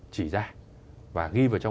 chỉ ra và ghi vào trong